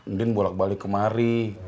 ndin bolak balik kemari